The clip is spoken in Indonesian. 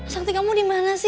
sakti kamu dimana sih